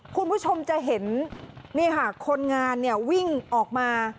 คุณผู้ชมจะเห็นนี่ค่ะคนงานเนี่ยวิ่งออกมา